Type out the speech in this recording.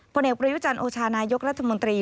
ผ่านเอกประยุจรรย์โอชานายกรัฐมนตรี